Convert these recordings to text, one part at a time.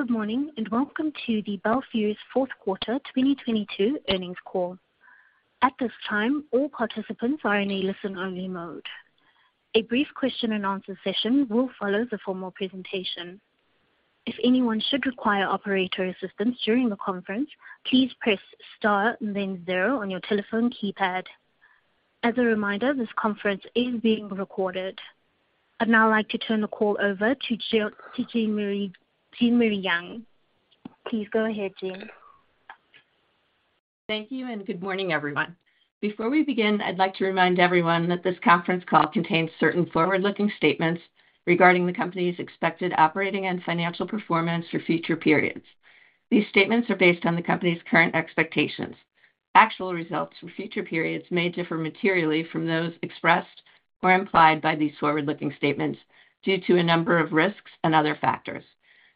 Good morning, welcome to the Bel Fuse fourth quarter 2022 earnings call. At this time, all participants are in a listen-only mode. A brief question and answer session will follow the formal presentation. If anyone should require operator assistance during the conference, please press star then 0 on your telephone keypad. As a reminder, this conference is being recorded. I'd now like to turn the call over to Jean-Marie Young. Please go ahead, Jean. Thank you. Good morning, everyone. Before we begin, I'd like to remind everyone that this conference call contains certain forward-looking statements regarding the company's expected operating and financial performance for future periods. These statements are based on the company's current expectations. Actual results for future periods may differ materially from those expressed or implied by these forward-looking statements due to a number of risks and other factors.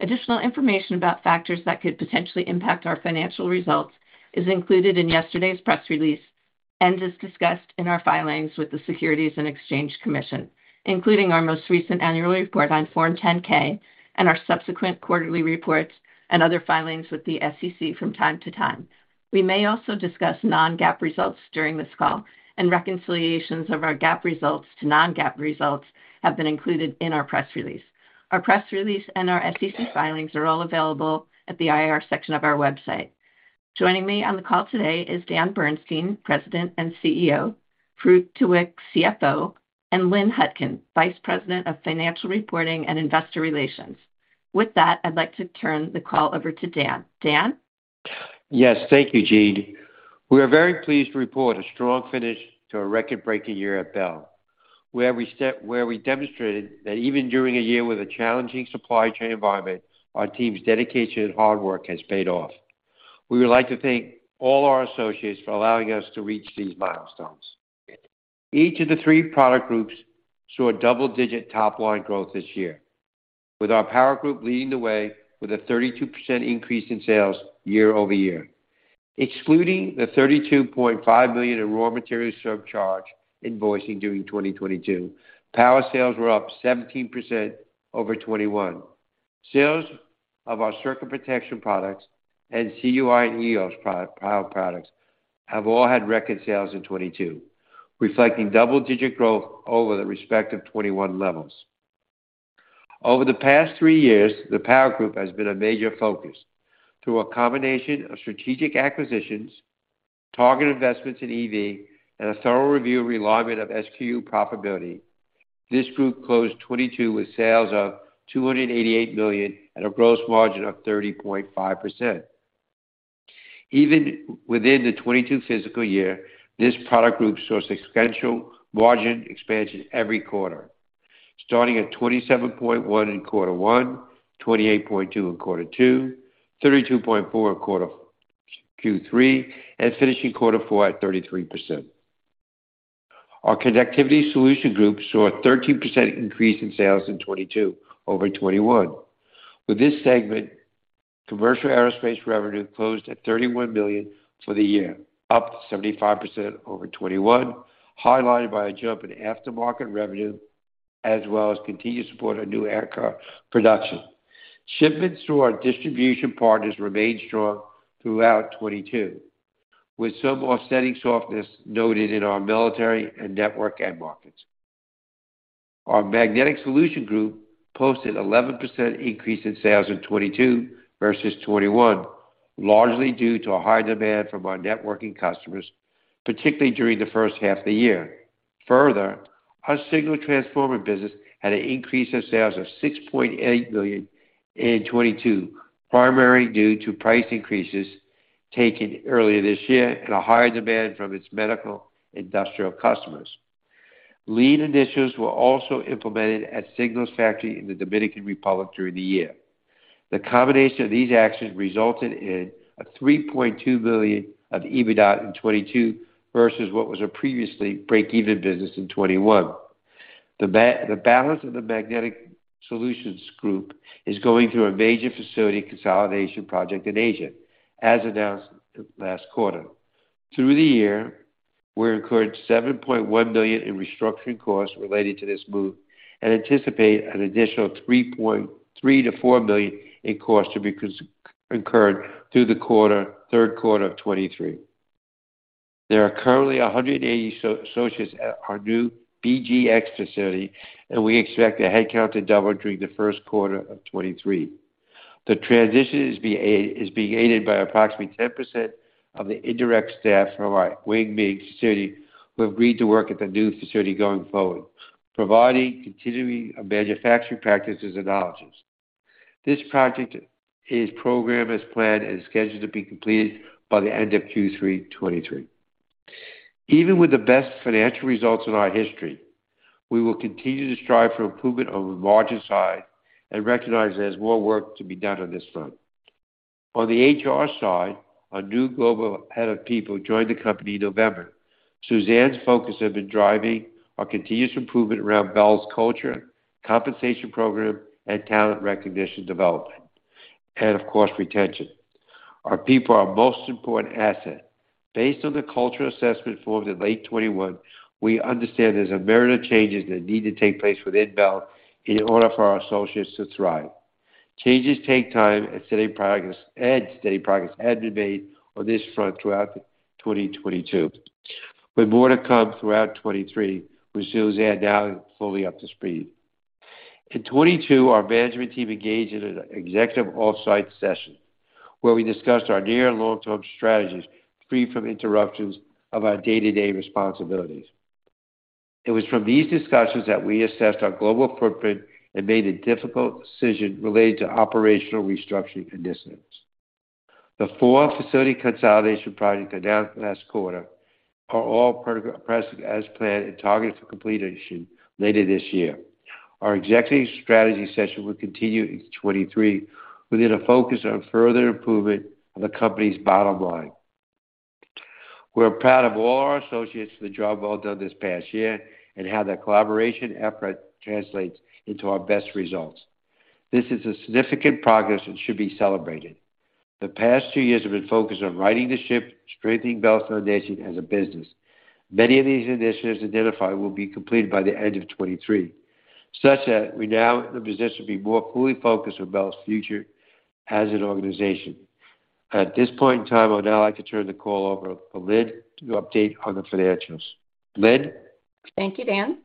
Additional information about factors that could potentially impact our financial results is included in yesterday's press release and is discussed in our filings with the Securities and Exchange Commission, including our most recent annual report on Form 10-K and our subsequent quarterly reports, and other filings with the SEC from time to time. We may also discuss non-GAAP results during this call, and reconciliations of our GAAP results to non-GAAP results have been included in our press release. Our press release and our SEC filings are all available at the IR section of our website. Joining me on the call today is Dan Bernstein, President and CEO, Farouq Tuweiq, CFO, and Lynn Hutkin, Vice President of Financial Reporting and Investor Relations. With that, I'd like to turn the call over to Dan. Dan? Yes. Thank you, Jean. We are very pleased to report a strong finish to a record-breaking year at Bel, where we demonstrated that even during a year with a challenging supply chain environment, our team's dedication and hard work has paid off. We would like to thank all our associates for allowing us to reach these milestones. Each of the three product groups saw a double-digit top-line growth this year, with our power group leading the way with a 32% increase in sales year-over-year. Excluding the $32.5 million in raw material surcharge invoicing during 2022, power sales were up 17% over 2021. Sales of our Circuit Protection products and CUI and EOS Power products have all had record sales in 2022, reflecting double-digit growth over the respective 2021 levels. Over the past 3 years, the power group has been a major focus. Through a combination of strategic acquisitions, target investments in EV, and a thorough review and realignment of SKU profitability, this group closed 2022 with sales of $288 million at a gross margin of 30.5%. Even within the 2022 physical year, this product group saw sequential margin expansion every quarter, starting at 27.1% in Q1, 28.2% in Q2, 32.4% in Q3, and finishing Q4 at 33%. Our Connectivity Solutions group saw a 13% increase in sales in 2022 over 2021. With this segment, commercial aerospace revenue closed at $31 million for the year, up 75% over 2021, highlighted by a jump in aftermarket revenue as well as continued support on new aircraft production. Shipments through our distribution partners remained strong throughout 2022, with some offsetting softness noted in our military and network end markets. Our Magnetic Solutions Group posted 11% increase in sales in 2022 versus 2021, largely due to a high demand from our networking customers, particularly during the first half of the year. Our Signal Transformer business had an increase in sales of $6.8 million in 2022, primarily due to price increases taken earlier this year and a higher demand from its medical industrial customers. Lean initiatives were also implemented at Signal's factory in the Dominican Republic during the year. The combination of these actions resulted in a $3.2 billion of EBITDA in 2022 versus what was a previously break-even business in 2021. The balance of the Magnetic Solutions Group is going through a major facility consolidation project in Asia, as announced last quarter. Through the year, we're incurred $7.1 million in restructuring costs related to this move and anticipate an additional $3.3 million-$4 million in costs to be incurred through the quarter, third quarter of 2023. There are currently 180 associates at our new BGX facility, and we expect the head count to double during the first quarter of 2023. The transition is being aided by approximately 10% of the indirect staff from our Wing Ming facility, who agreed to work at the new facility going forward, providing continuing manufacturing practices and knowledges. This project is programmed as planned and scheduled to be completed by the end of Q3 2023. Even with the best financial results in our history, we will continue to strive for improvement on the margin side and recognize there's more work to be done on this front. On the HR side, our new global head of people joined the company in November. Suzanne's focus has been driving our continuous improvement around Bel's culture, compensation program, and talent recognition development, and of course, retention. Our people are our most important asset. Based on the cultural assessment forms in late 2021, we understand there's a myriad of changes that need to take place within Bel in order for our associates to thrive. Changes take time and steady progress, and steady progress has been made on this front throughout 2022, with more to come throughout 2023, with Suzanne now fully up to speed. In 2022, our management team engaged in an executive off-site session where we discussed our near and long-term strategies, free from interruptions of our day-to-day responsibilities. It was from these discussions that we assessed our global footprint and made a difficult decision related to operational restructuring initiatives. The 4 facility consolidation projects announced last quarter are all progressing as planned and targeted for completion later this year. Our executive strategy session will continue in 2023 with a focus on further improvement of the company's bottom line. We're proud of all our associates for the job well done this past year and how their collaboration effort translates into our best results. This is a significant progress and should be celebrated. The past 2 years have been focused on righting the ship, strengthening Bel's foundation as a business. Many of these initiatives identified will be completed by the end of 2023, such that we're now in a position to be more fully focused on Bel's future as an organization. At this point in time, I would now like to turn the call over to Lynn to update on the financials. Lynn? Thank you, Dan.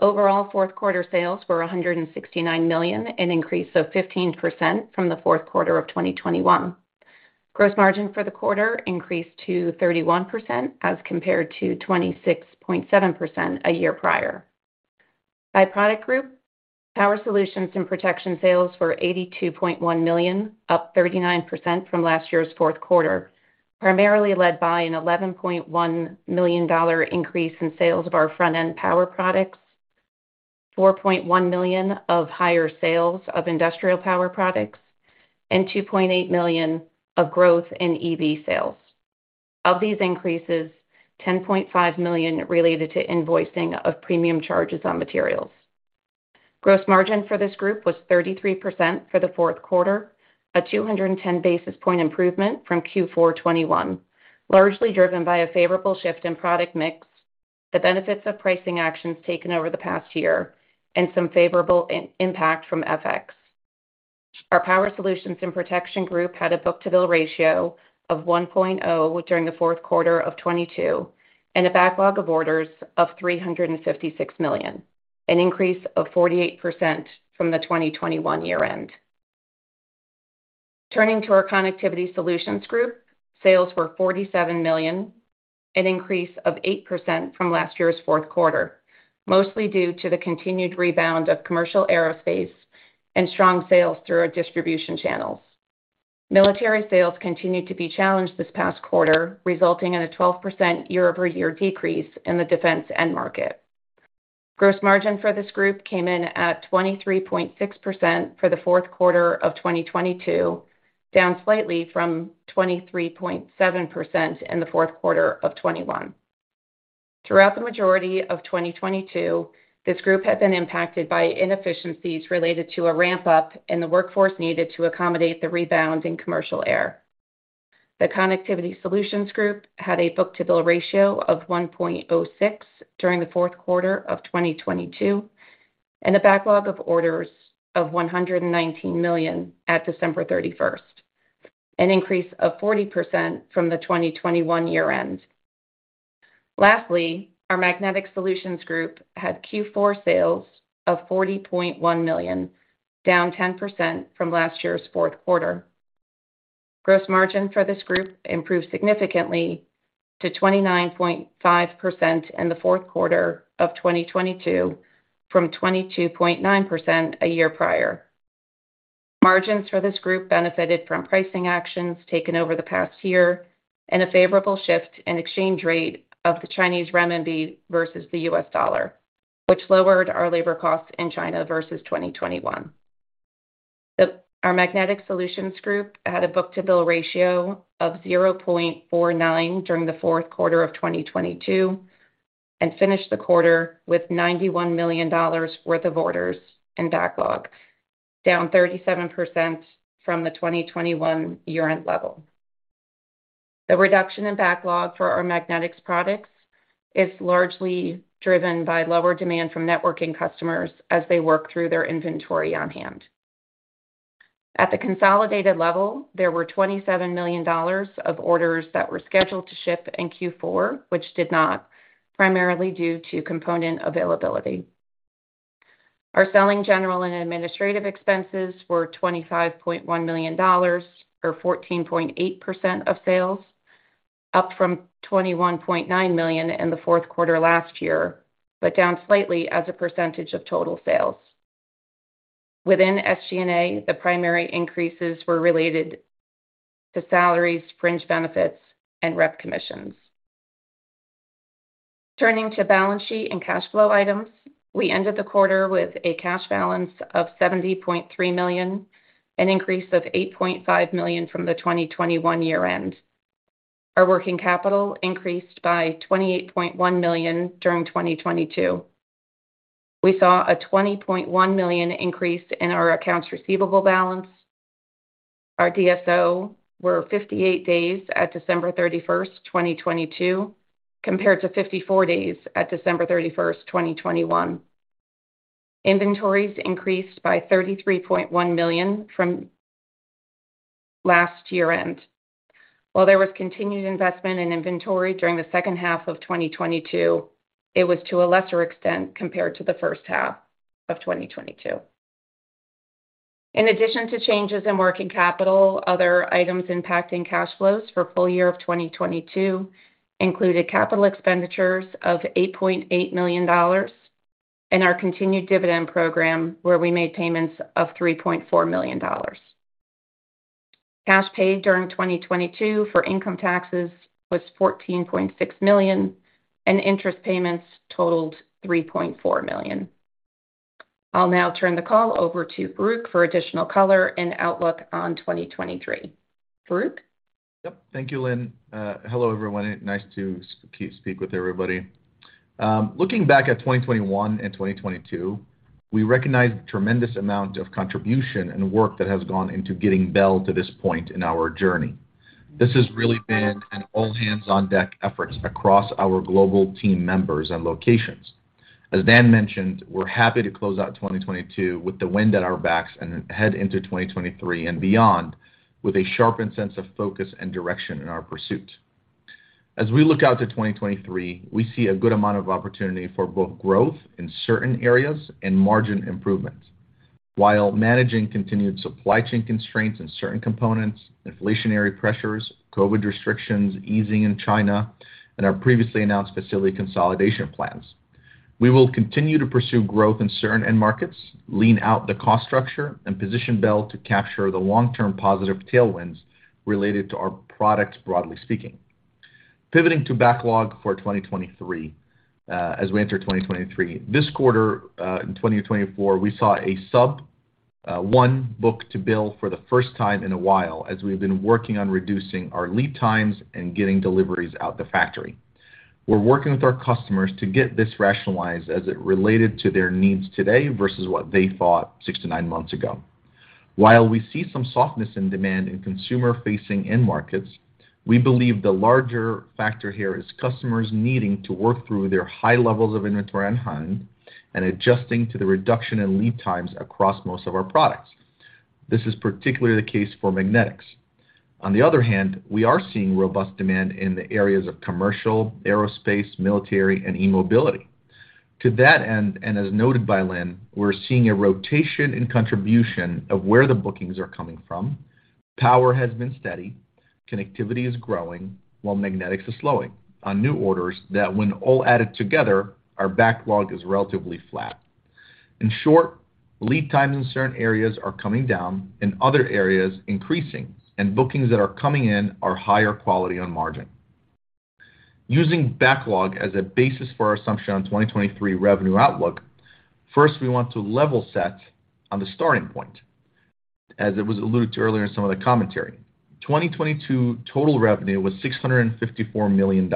Overall, fourth quarter sales were $169 million, an increase of 15% from the fourth quarter of 2021. Gross margin for the quarter increased to 31% as compared to 26.7% a year prior. By product group, Power Solutions and Protection sales were $82.1 million, up 39% from last year's fourth quarter, primarily led by an $11.1 million increase in sales of our front-end power products, $4.1 million of higher sales of Industrial Power products, and $2.8 million of growth in EV sales. Of these increases, $10.5 million related to invoicing of premium charges on materials. Gross margin for this group was 33% for the fourth quarter, a 210 basis point improvement from Q4 2021, largely driven by a favorable shift in product mix, the benefits of pricing actions taken over the past year, and some favorable impact from FX. Our Power Solutions and Protection group had a book-to-bill ratio of 1.0 during the fourth quarter of 2022, and a backlog of orders of $356 million, an increase of 48% from the 2021 year end. Turning to our Connectivity Solutions group, sales were $47 million, an increase of 8% from last year's fourth quarter, mostly due to the continued rebound of commercial aerospace and strong sales through our distribution channels. Military sales continued to be challenged this past quarter, resulting in a 12% year-over-year decrease in the defense end market. Gross margin for this group came in at 23.6% for the fourth quarter of 2022, down slightly from 23.7% in the fourth quarter of 2021. Throughout the majority of 2022, this group had been impacted by inefficiencies related to a ramp-up in the workforce needed to accommodate the rebound in commercial air. The Connectivity Solutions Group had a book-to-bill ratio of 1.06 during the fourth quarter of 2022, and a backlog of orders of $119 million at December 31st, an increase of 40% from the 2021 year end. Lastly, our Magnetic Solutions Group had Q4 sales of $40.1 million, down 10% from last year's fourth quarter. Gross margin for this group improved significantly to 29.5% in the fourth quarter of 2022 from 22.9% a year prior. Margins for this group benefited from pricing actions taken over the past year and a favorable shift in exchange rate of the Chinese renminbi versus the US dollar, which lowered our labor costs in China versus 2021. Our Magnetic Solutions group had a book-to-bill ratio of 0.49 during the fourth quarter of 2022 and finished the quarter with $91 million worth of orders in backlog, down 37% from the 2021 year-end level. Reduction in backlog for our magnetics products is largely driven by lower demand from networking customers as they work through their inventory on hand. At the consolidated level, there were $27 million of orders that were scheduled to ship in Q4, which did not, primarily due to component availability. Our Selling, General and Administrative Expenses were $25.1 million or 14.8% of sales, up from $21.9 million in the fourth quarter last year, down slightly as a percentage of total sales. Within SG&A, the primary increases were related to salaries, fringe benefits, and rep commissions. Turning to balance sheet and cash flow items, we ended the quarter with a cash balance of $70.3 million, an increase of $8.5 million from the 2021 year-end. Our working capital increased by $28.1 million during 2022. We saw a $20.1 million increase in our accounts receivable balance. Our DSO were 58 days at December 31, 2022, compared to 54 days at December 31, 2021. Inventories increased by $33.1 million from last year-end. While there was continued investment in inventory during the second half of 2022, it was to a lesser extent compared to the first half of 2022. In addition to changes in working capital, other items impacting cash flows for full year of 2022 included capital expenditures of $8.8 million and our continued dividend program, where we made payments of $3.4 million. Cash paid during 2022 for income taxes was $14.6 million, and interest payments totaled $3.4 million. I'll now turn the call over to Farouq for additional color and outlook on 2023. Farouq? Yep. Thank you, Lynn. Hello, everyone. Nice to speak with everybody. Looking back at 2021 and 2022, we recognize the tremendous amount of contribution and work that has gone into getting Bel to this point in our journey. This has really been an all-hands-on-deck effort across our global team members and locations. As Dan mentioned, we're happy to close out 2022 with the wind at our backs and head into 2023 and beyond with a sharpened sense of focus and direction in our pursuit. We look out to 2023, we see a good amount of opportunity for both growth in certain areas and margin improvement. While managing continued supply chain constraints in certain components, inflationary pressures, COVID restrictions easing in China, and our previously announced facility consolidation plans. We will continue to pursue growth in certain end markets, lean out the cost structure, and position Bel to capture the long-term positive tailwinds related to our products, broadly speaking. Pivoting to backlog for 2023, as we enter 2023. This quarter, in 2024, we saw a sub 1 book-to-bill for the first time in a while, as we have been working on reducing our lead times and getting deliveries out the factory. We're working with our customers to get this rationalized as it related to their needs today versus what they thought 6-9 months ago. While we see some softness in demand in consumer-facing end markets, we believe the larger factor here is customers needing to work through their high levels of inventory on hand and adjusting to the reduction in lead times across most of our products. This is particularly the case for magnetics. We are seeing robust demand in the areas of commercial, aerospace, military, and eMobility. As noted by Lynn, we're seeing a rotation in contribution of where the bookings are coming from. Power has been steady, connectivity is growing, while magnetics is slowing on new orders that when all added together, our backlog is relatively flat. Lead times in certain areas are coming down, in other areas increasing, and bookings that are coming in are higher quality on margin. Using backlog as a basis for our assumption on 2023 revenue outlook, we want to level set on the starting point, as it was alluded to earlier in some of the commentary. 2022 total revenue was $654 million.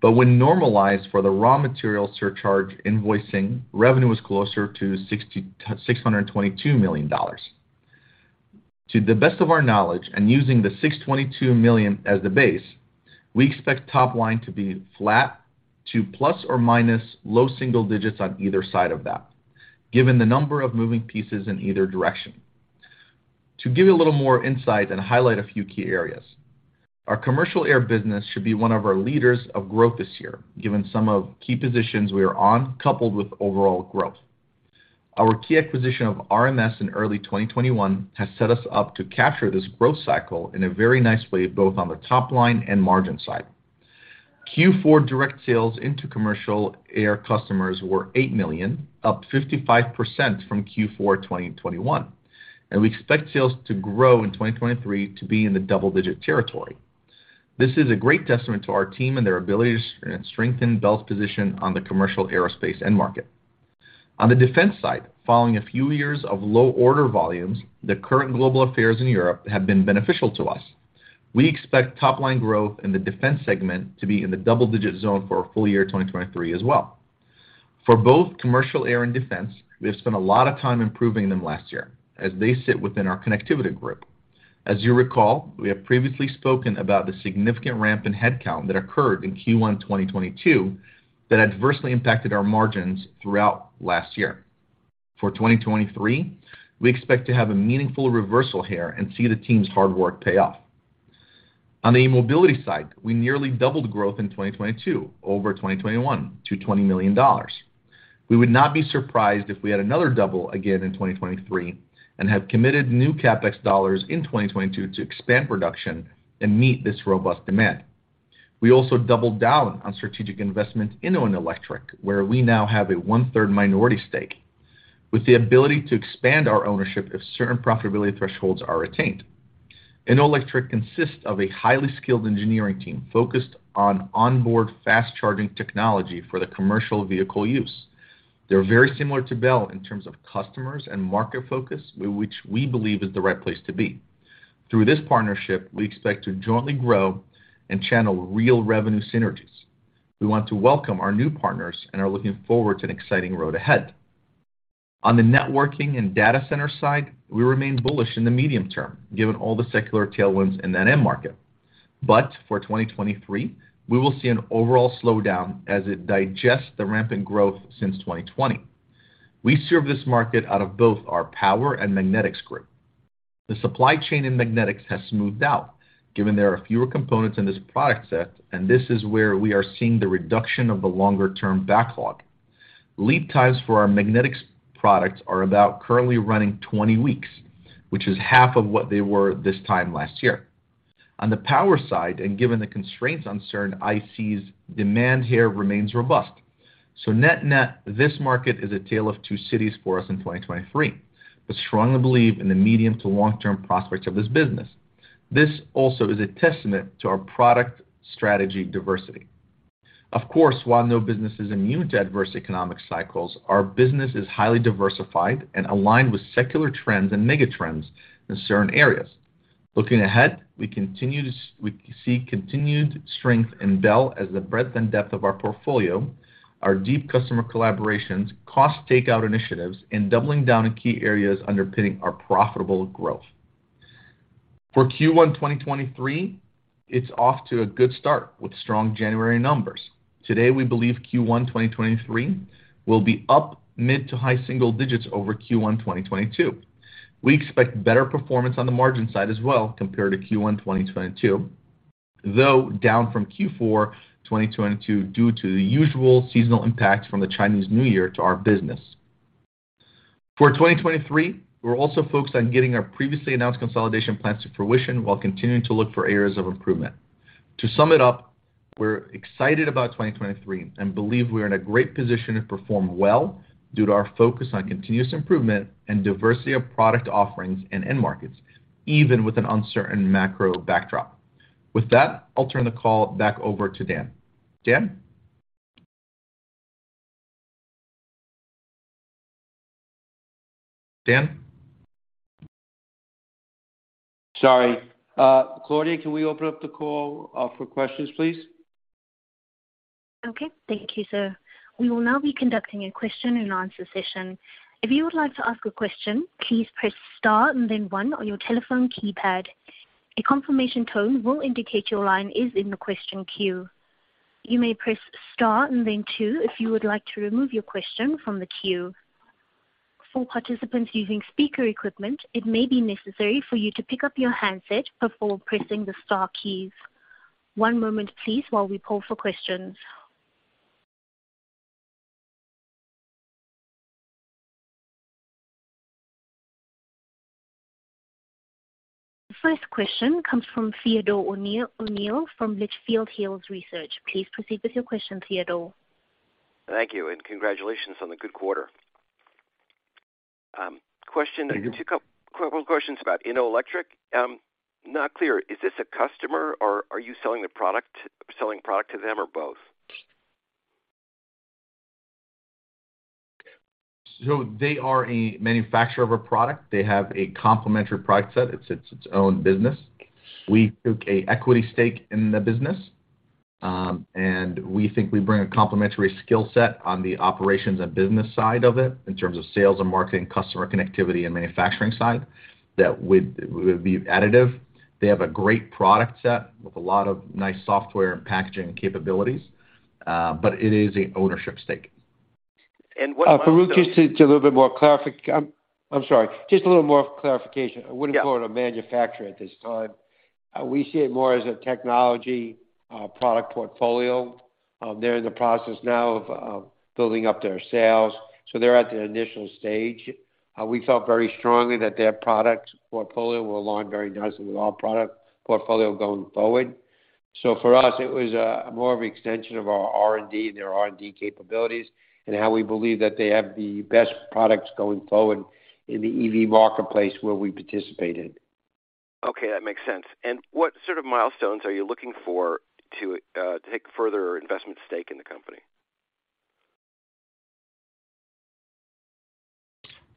When normalized for the raw material surcharge invoicing, revenue was closer to $622 million. To the best of our knowledge, using the $622 million as the base, we expect top line to be flat to ± low single digits on either side of that, given the number of moving pieces in either direction. To give you a little more insight and highlight a few key areas, our commercial air business should be one of our leaders of growth this year, given some of key positions we are on, coupled with overall growth. Our key acquisition of RMS in early 2021 has set us up to capture this growth cycle in a very nice way, both on the top line and margin side. Q4 direct sales into commercial air customers were $8 million, up 55% from Q4 2021. We expect sales to grow in 2023 to be in the double-digit territory. This is a great testament to our team and their ability to strengthen Bel's position on the commercial aerospace end market. On the defense side, following a few years of low order volumes, the current global affairs in Europe have been beneficial to us. We expect top line growth in the defense segment to be in the double-digit zone for full year 2023 as well. For both commercial air and defense, we have spent a lot of time improving them last year, as they sit within our Connectivity group. As you recall, we have previously spoken about the significant ramp in headcount that occurred in Q1 2022 that adversely impacted our margins throughout last year. For 2023, we expect to have a meaningful reversal here and see the team's hard work pay off. On the eMobility side, we nearly doubled growth in 2022 over 2021 to $20 million. We would not be surprised if we had another double again in 2023 and have committed new CapEx dollars in 2022 to expand production and meet this robust demand. We also doubled down on strategic investment into Innolectric, where we now have a one-third minority stake, with the ability to expand our ownership if certain profitability thresholds are attained. Innolectric consists of a highly skilled engineering team focused on onboard fast charging technology for the commercial vehicle use. They're very similar to Bel in terms of customers and market focus, which we believe is the right place to be. Through this partnership, we expect to jointly grow and channel real revenue synergies. We want to welcome our new partners and are looking forward to an exciting road ahead. On the networking and data center side, we remain bullish in the medium term, given all the secular tailwinds in that end market. For 2023, we will see an overall slowdown as it digests the rampant growth since 2020. We serve this market out of both our Power and Magnetics Group. The supply chain in magnetics has smoothed out given there are fewer components in this product set, and this is where we are seeing the reduction of the longer-term backlog. Lead times for our magnetics products are about currently running 20 weeks, which is half of what they were this time last year. On the power side, and given the constraints on certain ICs, demand here remains robust. Net net, this market is a tale of two cities for us in 2023. We strongly believe in the medium to long-term prospects of this business. This also is a testament to our product strategy diversity. Of course, while no business is immune to adverse economic cycles, our business is highly diversified and aligned with secular trends and mega trends in certain areas. Looking ahead, we continue to see continued strength in Bel as the breadth and depth of our portfolio, our deep customer collaborations, cost takeout initiatives, and doubling down in key areas underpinning our profitable growth. For Q1 2023, it's off to a good start with strong January numbers. Today, we believe Q1 2023 will be up mid-to-high single digits over Q1 2022. We expect better performance on the margin side as well compared to Q1 2022, though down from Q4 2022 due to the usual seasonal impacts from the Chinese New Year to our business. For 2023, we're also focused on getting our previously announced consolidation plans to fruition while continuing to look for areas of improvement. To sum it up, we're excited about 2023 and believe we're in a great position to perform well due to our focus on continuous improvement and diversity of product offerings and end markets, even with an uncertain macro backdrop. With that, I'll turn the call back over to Dan. Dan? Sorry. Claudia, can we open up the call for questions, please? Okay. Thank you, sir. We will now be conducting a question and answer session. If you would like to ask a question, please press star and then one on your telephone keypad. A confirmation tone will indicate your line is in the question queue. You may press star and then two if you would like to remove your question from the queue. For participants using speaker equipment, it may be necessary for you to pick up your handset before pressing the star keys. One moment, please, while we poll for questions. First question comes from Theodore O'Neill from Litchfield Hills Research. Please proceed with your question, Theodore. Thank you. Congratulations on the good quarter. Mm-hmm. Two couple questions about Innolectric. Not clear, is this a customer or are you selling product to them or both? They are a manufacturer of a product. They have a complementary product set. It's its own business. We took a equity stake in the business, and we think we bring a complementary skill set on the operations and business side of it in terms of sales and marketing, customer connectivity, and manufacturing side that would be additive. They have a great product set with a lot of nice software and packaging capabilities, but it is a ownership stake. what- Farouq, I'm sorry. Just a little more clarification. Yeah. I wouldn't call it a manufacturer at this time. We see it more as a technology product portfolio. They're in the process now of building up their sales, so they're at their initial stage. We felt very strongly that their product portfolio will align very nicely with our product portfolio going forward. For us, it was more of an extension of our R&D and their R&D capabilities and how we believe that they have the best products going forward in the EV marketplace where we participate in. Okay. That makes sense. What sort of milestones are you looking for to take further investment stake in the company?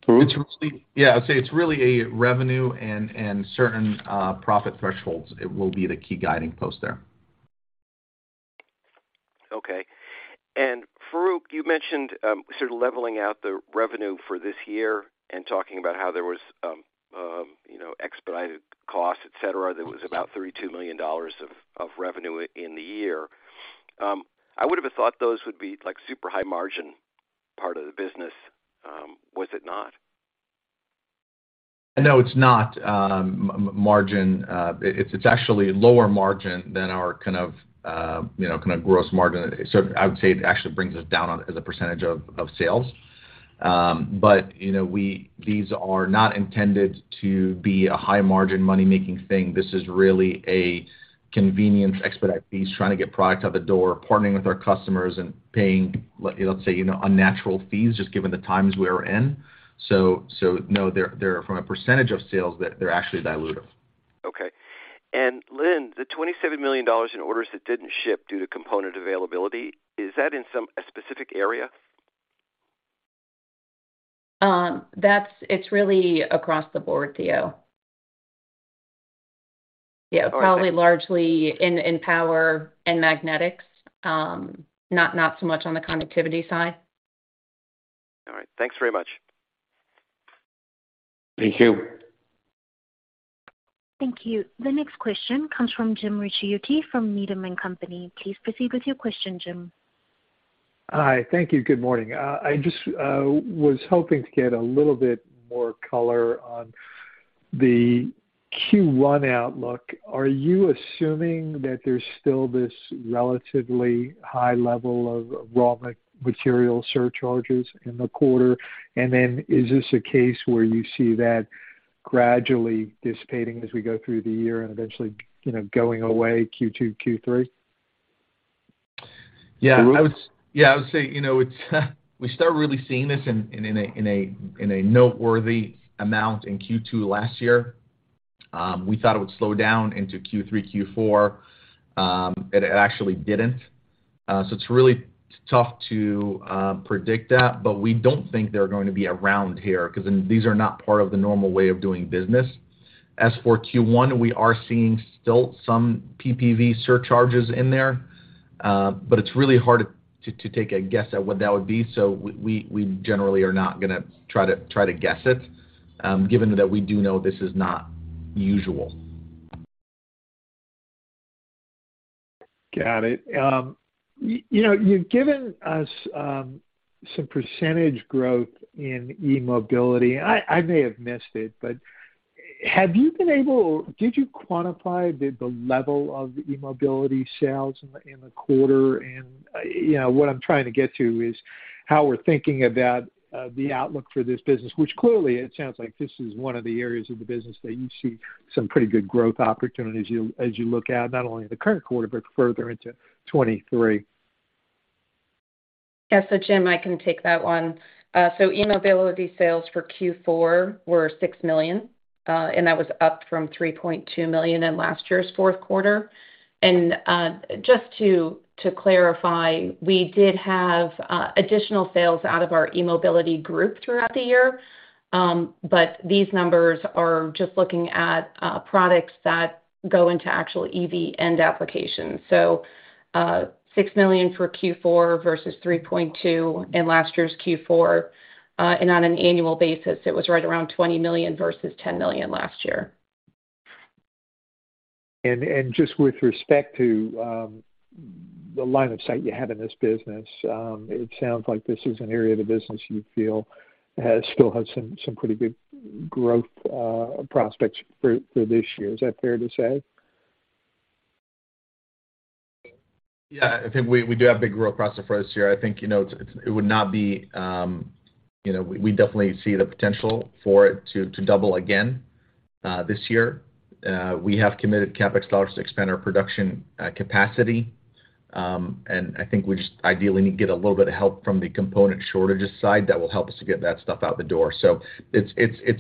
Farouq It's really. Yeah. I'd say it's really a revenue and certain profit thresholds. It will be the key guiding post there. Okay. Farouq, you mentioned, sort of leveling out the revenue for this year and talking about how there was, you know, expedited costs, et cetera, there was about $32 million of revenue in the year. I would have thought those would be like super high margin part of the business. Was it not? No, it's not margin. It's actually lower margin than our kind of, you know, kind of gross margin. I would say it actually brings us down on as a % of sales. But, you know, these are not intended to be a high margin money-making thing. This is really a convenience expedite fees, trying to get product out the door, partnering with our customers and paying, let's say, you know, unnatural fees just given the times we're in. No, they're from a % of sales that they're actually dilutive. Okay. Lynn, the $27 million in orders that didn't ship due to component availability, is that in a specific area? It's really across the board, Theo. Yeah, probably largely in power and magnetics. Not so much on the conductivity side. All right. Thanks very much. Thank you. Thank you. The next question comes from James Ricchiuti from Needham & Company. Please proceed with your question, Jim. Hi. Thank you. Good morning. I just was hoping to get a little bit more color on the Q1 outlook. Are you assuming that there's still this relatively high level of raw material surcharges in the quarter? Is this a case where you see that gradually dissipating as we go through the year and eventually, you know, going away Q2, Q3? Yeah. I would say, you know, it's, we started really seeing this in a noteworthy amount in Q2 last year. We thought it would slow down into Q3, Q4. It actually didn't. It's really tough to predict that, but we don't think they're going to be around here 'cause then these are not part of the normal way of doing business. As for Q1, we are seeing still some PPV surcharges in there, but it's really hard to take a guess at what that would be. We generally are not gonna try to guess it, given that we do know this is not usual. Got it. You know, you've given us some percentage growth in eMobility. Did you quantify the level of eMobility sales in the quarter? You know, what I'm trying to get to is how we're thinking about the outlook for this business, which clearly it sounds like this is one of the areas of the business that you see some pretty good growth opportunities as you look out not only the current quarter but further into 2023. Yeah. Jim, I can take that one. eMobility sales for Q4 were $6 million, and that was up from $3.2 million in last year's fourth quarter. Just to clarify, we did have additional sales out of our eMobility group throughout the year, but these numbers are just looking at products that go into actual EV end applications. $6 million for Q4 versus $3.2 in last year's Q4. On an annual basis, it was right around $20 million versus $10 million last year. just with respect to the line of sight you have in this business, it sounds like this is an area of the business you feel has still had some pretty good growth, prospects for this year. Is that fair to say? Yeah. I think we do have big growth prospects for this year. I think, you know, it would not be, you know. We definitely see the potential for it to double again this year. We have committed CapEx dollars to expand our production capacity. I think we just ideally need to get a little bit of help from the component shortages side that will help us to get that stuff out the door. It's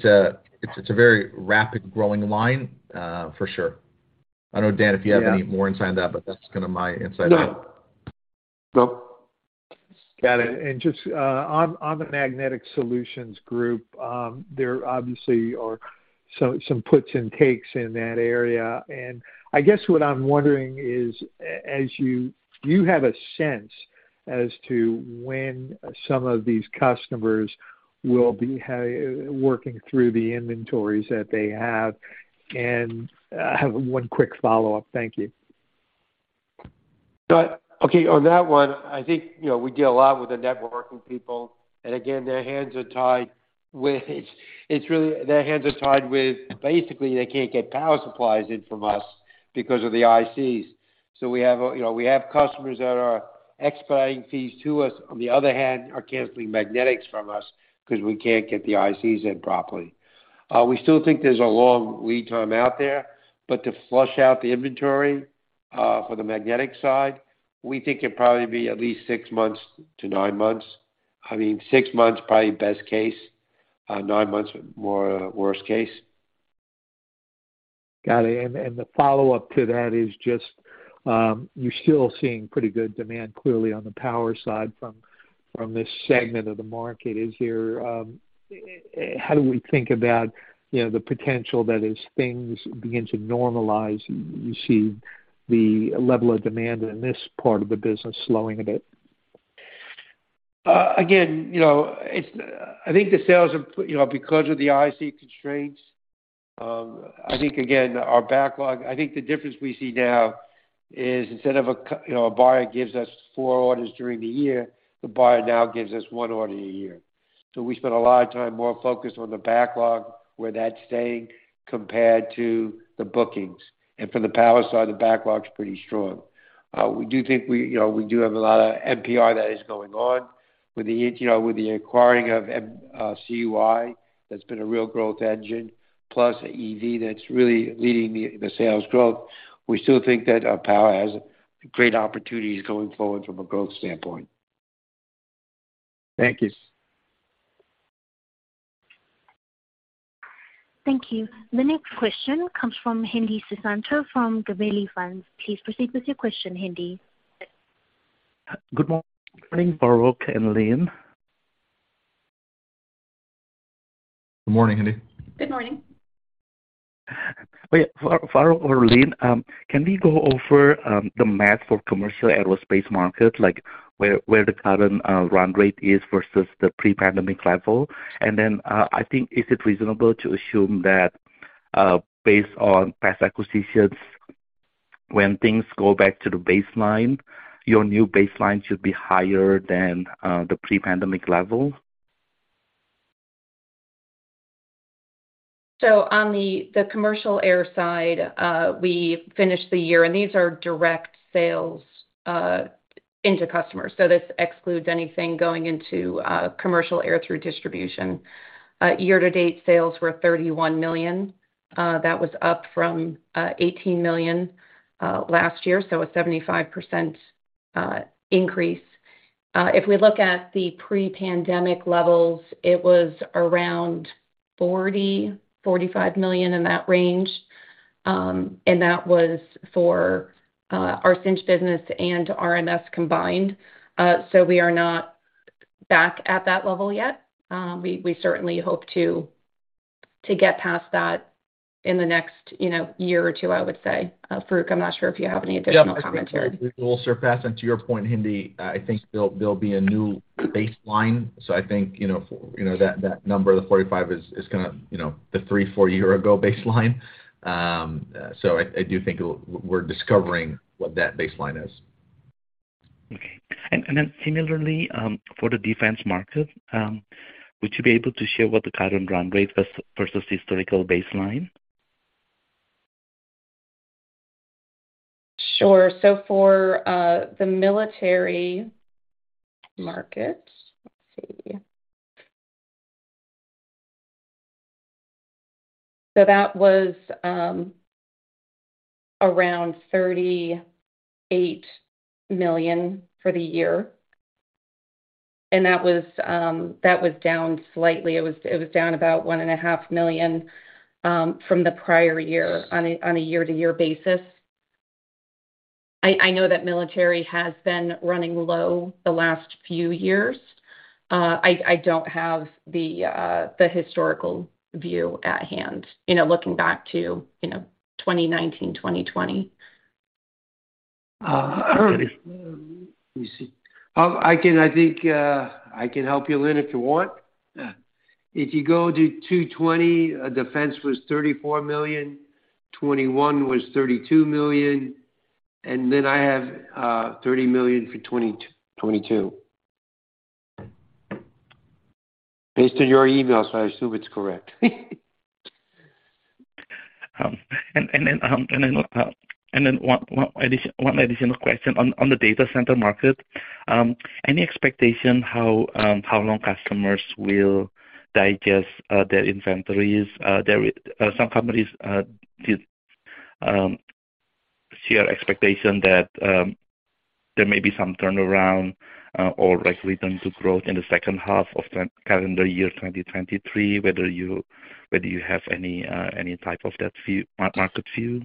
a very rapid growing line for sure. I know, Dan, if you have any more insight on that, but that's kinda my insight on it. No. No. Got it. Just, on the Magnetic Solutions Group, there obviously are some puts and takes in that area. I guess what I'm wondering is do you have a sense as to when some of these customers will be working through the inventories that they have? I have one quick follow-up. Thank you. Got it. Okay, on that one, I think, you know, we deal a lot with the networking people, and again, their hands are tied with... It's really their hands are tied with basically they can't get power supplies in from us because of the ICs. We have a, you know, we have customers that are expediting fees to us, on the other hand, are canceling magnetics from us 'cause we can't get the ICs in properly. We still think there's a long lead time out there, but to flush out the inventory for the magnetic side, we think it'd probably be at least 6 months to 9 months. I mean, 6 months probably best case, 9 months more, worst case. Got it. The follow-up to that is just, you're still seeing pretty good demand clearly on the power side from this segment of the market. Is there, how do we think about, you know, the potential that as things begin to normalize, you see the level of demand in this part of the business slowing a bit? Again, you know, I think the sales have, you know, because of the IC constraints, I think again, our backlog. I think the difference we see now is instead of a you know, a buyer gives us 4 orders during the year, the buyer now gives us 1 order a year. We spend a lot of time more focused on the backlog, where that's staying compared to the bookings. For the power side, the backlog's pretty strong. We do think we, you know, we do have a lot of MPR that is going on with the, you know, with the acquiring of CUI, that's been a real growth engine, plus EV that's really leading the sales growth. We still think that power has great opportunities going forward from a growth standpoint. Thank you. Thank you. The next question comes from Hendi Susanto from Gabelli Funds. Please proceed with your question, Hendi. Good morning, Farouq and Lynn. Good morning, Hendi. Good morning. Wait, Farouq or Lynn, can we go over the math for commercial aerospace market, like where the current run rate is versus the pre-pandemic level? I think is it reasonable to assume that based on past acquisitions, when things go back to the baseline, your new baseline should be higher than the pre-pandemic level? On the commercial air side, we finished the year, and these are direct sales into customers, so this excludes anything going into commercial air through distribution. Year to date sales were $31 million. That was up from $18 million last year, so a 75% increase. If we look at the pre-pandemic levels, it was around $40 million-$45 million, in that range. That was for our Cinch business and RMS combined. We are not back at that level yet. We certainly hope to get past that in the next, you know, year or two, I would say. Farouq, I'm not sure if you have any additional commentary. Yeah, I think we will surpass. To your point, Hendi, I think there'll be a new baseline. I think, you know, that number, the 45 is kind of, you know, the three, four year ago baseline. I do think it will. We're discovering what that baseline is. Okay. Then similarly, for the defense market, would you be able to share what the current run rate versus historical baseline? Sure. For the military market. That was around $38 million for the year, and that was down slightly. It was down about one and a half million from the prior year on a year-to-year basis. I know that military has been running low the last few years. I don't have the historical view at hand. You know, looking back to, you know, 2019/2020. Okay. Let me see. I think, I can help you Lynn if you want. If you go to 2020, defense was $34 million, 2021 was $32 million, I have $30 million for 2022. Based on your email, I assume it's correct. One additional question on the data center market, any expectation how long customers will digest their inventories? Some companies did share expectation that there may be some turnaround or like return to growth in the second half of calendar year 2023. Whether you have any type of that market view.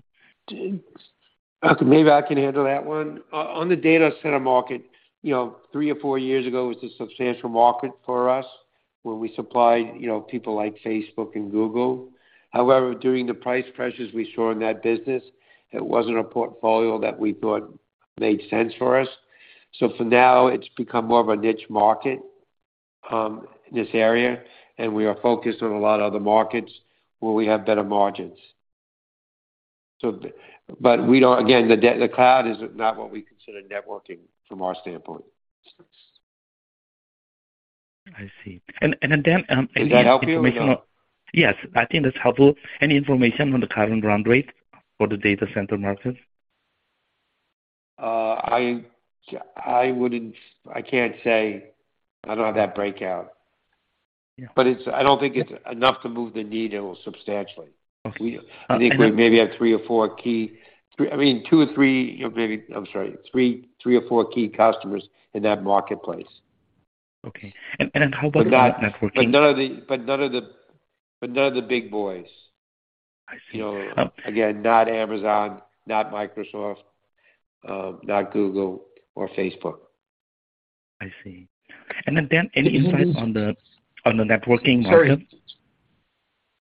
Maybe I can handle that one. On the data center market, you know, three or four years ago, it was a substantial market for us where we supplied, you know, people like Facebook and Google. However, during the price pressures we saw in that business, it wasn't a portfolio that we thought made sense for us. For now, it's become more of a niche market, this area, and we are focused on a lot of other markets where we have better margins. We don't again, the cloud is not what we consider networking from our standpoint. I see. Then, any information on-. Did that help you or no? Yes, I think that's helpful. Any information on the current run rate for the data center market? I can't say. I don't have that breakout. Yeah. I don't think it's enough to move the needle substantially. Okay. I think we maybe have three or four key, I mean, two or three, or maybe... I'm sorry, three or four key customers in that marketplace. Okay. How about networking? None of the big boys. I see. You know, again, not Amazon, not Microsoft, not Google or Facebook. I see. Then, Dan, any insight on the, on the networking market? Sorry.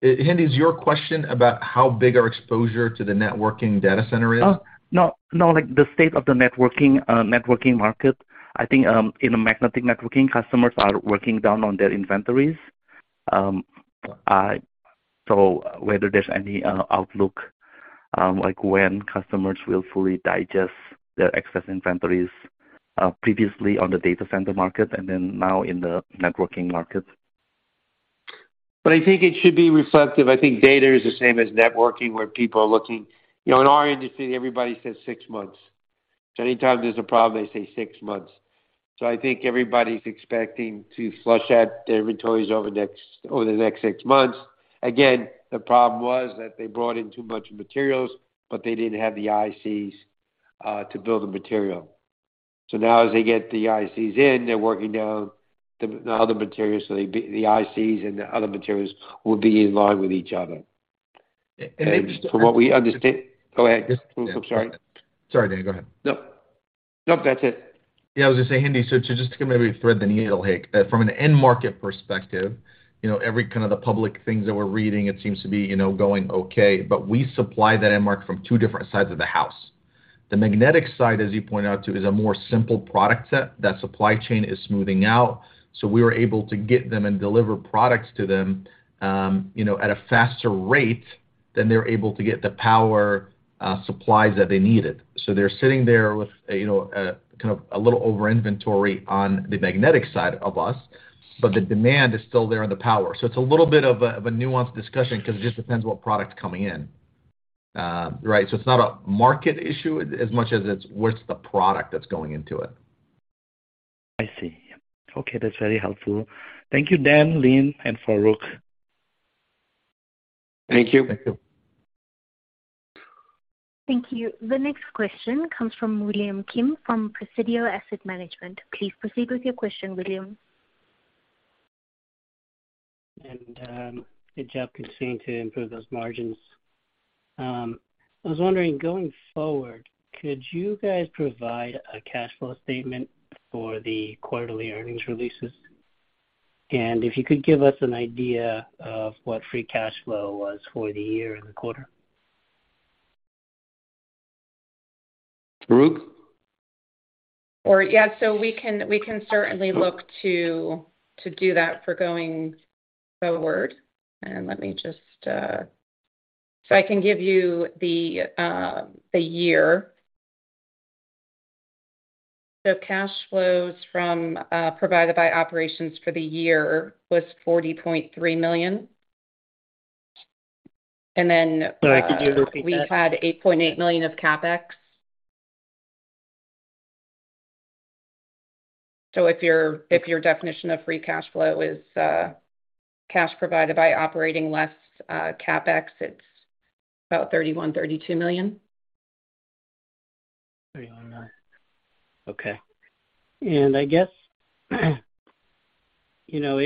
Hendi, is your question about how big our exposure to the networking data center is? No. No, like the state of the networking market. I think, in the magnetic networking, customers are working down on their inventories. Whether there's any outlook, like when customers will fully digest their excess inventories, previously on the data center market and then now in the networking market. I think it should be reflective. I think data is the same as networking, where people are looking. You know, in our industry, everybody says six months. Anytime there's a problem, they say six months. I think everybody's expecting to flush out their inventories over the next six months. Again, the problem was that they brought in too much materials, but they didn't have the ICs to build the material. Now as they get the ICs in, they're working down the other materials, so the ICs and the other materials will be in line with each other. Go ahead, Farouq. I'm sorry. Sorry, Dan. Go ahead. No, no, that's it. Yeah, I was gonna say, Hendi. To just kind of maybe thread the needle here, from an end market perspective, you know, every kind of the public things that we're reading, it seems to be, you know, going okay, but we supply that end market from two different sides of the house. The magnetic side, as you point out too, is a more simple product set. That supply chain is smoothing out. We were able to get them and deliver products to them, you know, at a faster rate than they're able to get the power supplies that they needed. They're sitting there with, you know, kind of a little over-inventory on the magnetic side of us, but the demand is still there on the power. It's a little bit of a, of a nuanced discussion because it just depends what product's coming in. Right. It's not a market issue as much as it's what's the product that's going into it. I see. Okay, that's very helpful. Thank you, Dan, Lynn, and Farooq. Thank you. Thank you. Thank you. The next question comes from William Kim from Presidio Asset Management. Please proceed with your question, William. Good job continuing to improve those margins. I was wondering, going forward, could you guys provide a cash flow statement for the quarterly earnings releases? If you could give us an idea of what free cash flow was for the year and the quarter. Farouq? Yeah, we can certainly look to do that for going forward. Let me just, I can give you the year. Cash flows from provided by operations for the year was $40.3 million. Sorry, could you repeat that? We had $8.8 million of CapEx. If your definition of free cash flow is cash provided by operating less CapEx, it's about $31 million-$32 million. 31, 30. Okay. I guess, you know,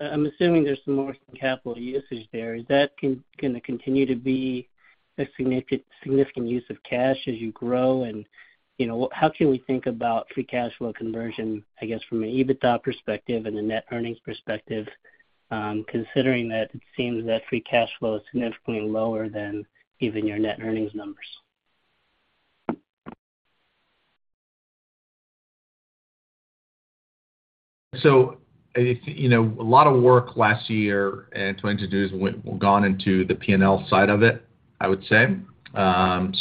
I'm assuming there's some more capital usage there. Is that gonna continue to be a significant use of cash as you grow? You know, how can we think about free cash flow conversion, I guess, from an EBITDA perspective and a net earnings perspective, considering that it seems that free cash flow is significantly lower than even your net earnings numbers? you know, a lot of work last year and 2022 has gone into the P&L side of it, I would say. trying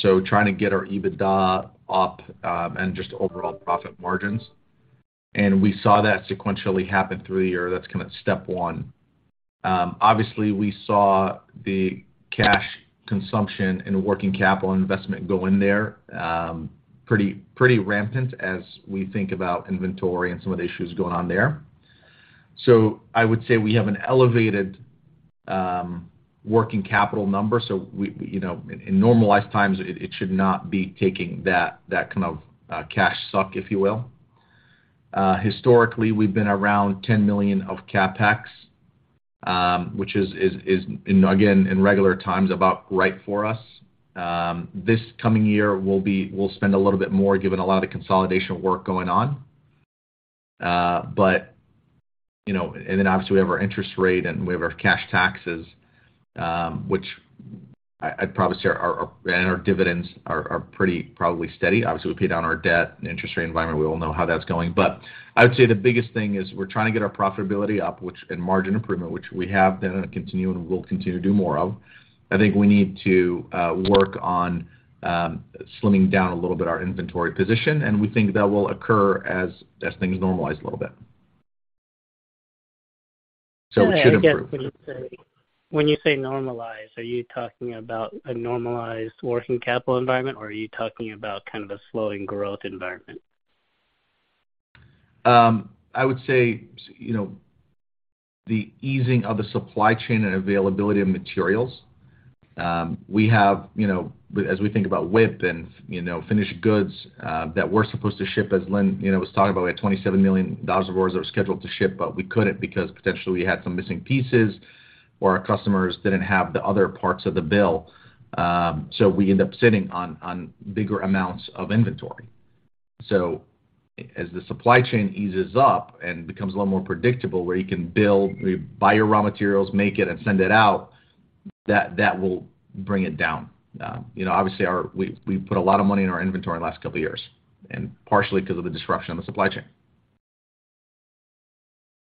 to get our EBITDA up and just overall profit margins. We saw that sequentially happen through the year. That's kind of step one. obviously we saw the cash consumption and working capital investment go in there pretty rampant as we think about inventory and some of the issues going on there. I would say we have an elevated working capital number. we, you know, in normalized times it should not be taking that kind of cash suck, if you will. Historically, we've been around $10 million of CapEx, which is, and again, in regular times about right for us. This coming year we'll spend a little bit more given a lot of the consolidation work going on. you know, obviously we have our interest rate and we have our cash taxes, which I'd probably say are and our dividends are pretty probably steady. Obviously, we pay down our debt and interest rate environment. We all know how that's going. I would say the biggest thing is we're trying to get our profitability up, which and margin improvement, which we have been continuing and will continue to do more of. I think we need to work on slimming down a little bit our inventory position, and we think that will occur as things normalize a little bit. It should improve. When you say normalize, are you talking about a normalized working capital environment, or are you talking about kind of a slowing growth environment? I would say, you know, the easing of the supply chain and availability of materials. We have, you know, as we think about WIP and, you know, finished goods, that we're supposed to ship, as Lynn, you know, was talking about, we had $27 million of orders that were scheduled to ship, but we couldn't because potentially we had some missing pieces or our customers didn't have the other parts of the bill. We end up sitting on bigger amounts of inventory. As the supply chain eases up and becomes a little more predictable, where you can build, buy your raw materials, make it, and send it out, that will bring it down. You know, obviously we put a lot of money in our inventory in the last couple of years, and partially because of the disruption of the supply chain.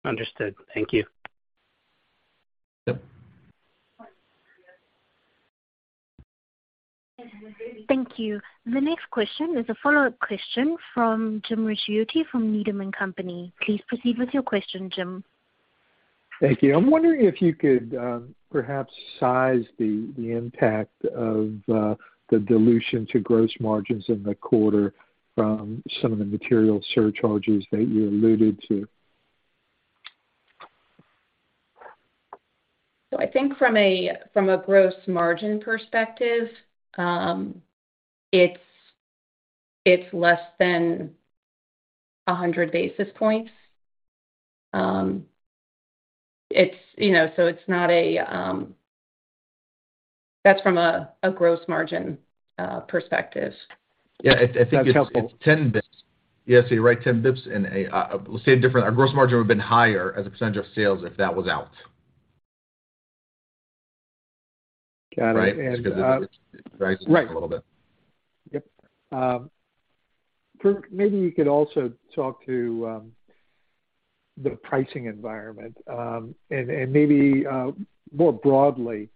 Understood. Thank you. Yep. Thank you. The next question is a follow-up question from James Ricchiuti from Needham & Company. Please proceed with your question, Jim. Thank you. I'm wondering if you could, perhaps size the impact of the dilution to gross margins in the quarter from some of the material surcharges that you alluded to. I think from a gross margin perspective, It's less than 100 basis points. It's, you know, so it's not a. That's from a gross margin perspective. Yeah. I think it's. That's helpful. 10 bps. Yeah. You're right, 10 bps and we'll say Our gross margin would have been higher as a percentage of sales if that was out. Got it. Right? Just 'cause it raised a little bit. Yep. Farouq, maybe you could also talk to the pricing environment. Maybe, more broadly,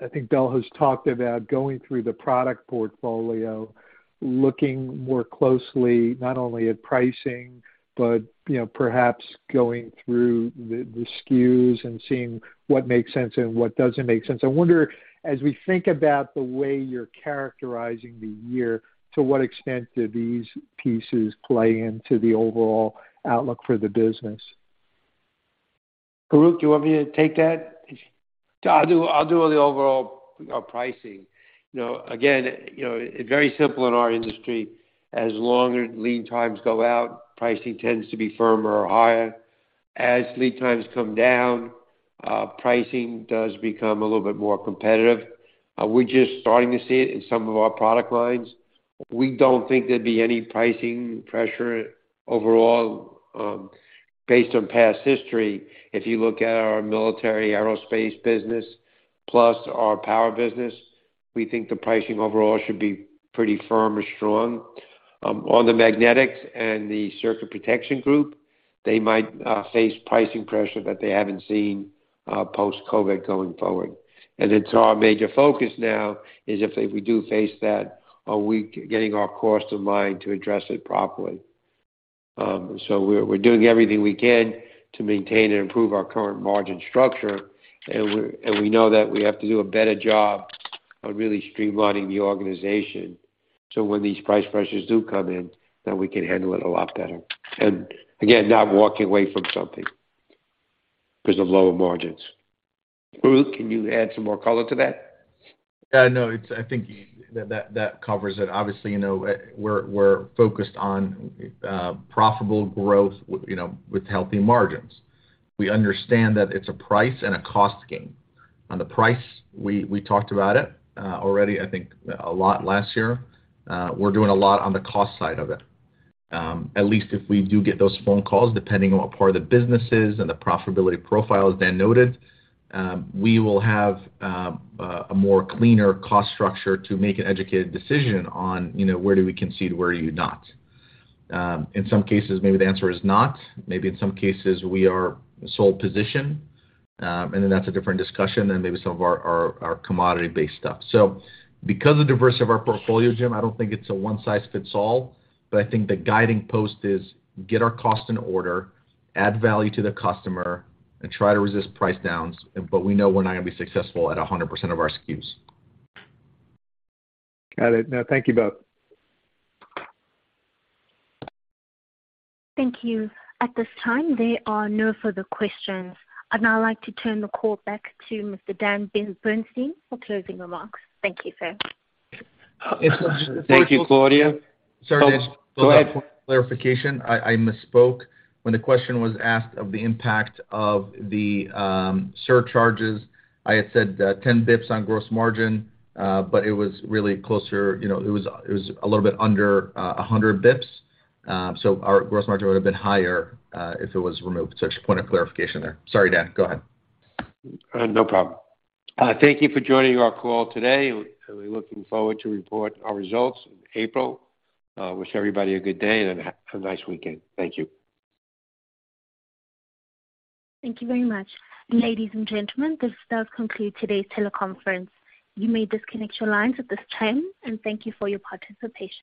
I think Bel has talked about going through the product portfolio, looking more closely not only at pricing but, you know, perhaps going through the SKUs and seeing what makes sense and what doesn't make sense. I wonder, as we think about the way you're characterizing the year, to what extent do these pieces play into the overall outlook for the business? Farouq, do you want me to take that? I'll do, I'll do the overall pricing. You know, again, you know, very simple in our industry, as longer lead times go out, pricing tends to be firmer or higher. As lead times come down, pricing does become a little bit more competitive. We're just starting to see it in some of our product lines. We don't think there'd be any pricing pressure overall, based on past history. If you look at our military aerospace business plus our power business, we think the pricing overall should be pretty firm or strong. On the magnetics and the Circuit Protection group, they might face pricing pressure that they haven't seen post-COVID going forward. It's our major focus now is if we do face that, are we getting our cost in line to address it properly. We're doing everything we can to maintain and improve our current margin structure. We know that we have to do a better job of really streamlining the organization, so when these price pressures do come in, that we can handle it a lot better. Again, not walking away from something because of lower margins. Farouq, can you add some more color to that? Yeah. No, it's I think that covers it. Obviously, you know, we're focused on, profitable growth with, you know, with healthy margins. We understand that it's a price and a cost game. On the price, we talked about it, already, I think a lot last year. We're doing a lot on the cost side of it. At least if we do get those phone calls, depending on what part of the business is and the profitability profile, as Dan noted, we will have a more cleaner cost structure to make an educated decision on, you know, where do we concede, where do you not. In some cases, maybe the answer is not. Maybe in some cases we are a sole position, and then that's a different discussion than maybe some of our, our commodity based stuff. Because of diversity of our portfolio, Jim, I don't think it's a one-size-fits-all, but I think the guiding post is get our cost in order, add value to the customer, and try to resist price downs, but we know we're not going to be successful at 100% of our SKUs. Got it. No, thank you both. Thank you. At this time, there are no further questions. I'd now like to turn the call back to Mr. Daniel Bernstein for closing remarks. Thank you, sir. Thank you, Claudia. Sorry, Dan. Go ahead. Clarification. I misspoke. When the question was asked of the impact of the surcharges, I had said that 10 basis points on gross margin, but it was really closer. You know, it was a little bit under 100 basis points. Our gross margin would have been higher if it was removed. Just a point of clarification there. Sorry, Dan. Go ahead. No problem. Thank you for joining our call today. We're looking forward to report our results in April. Wish everybody a good day and a nice weekend. Thank you. Thank you very much. Ladies and gentlemen, this does conclude today's teleconference. You may disconnect your lines at this time. Thank you for your participation.